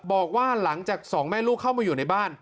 บอกว่าหลังจากสองแม่ลูกเข้ามาอยู่ในบ้าน